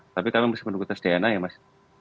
tapi kami masih menunggu tes dna ya mas